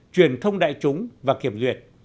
truyền thông đại chúng và kiểm duyệt